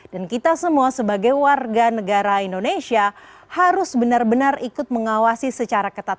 dan kita semua sebagai warga negara indonesia harus benar benar ikut mengawasi secara ketat